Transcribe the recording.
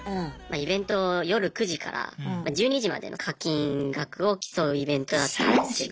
イベント夜９時から１２時までの課金額を競うイベントだったんですけど。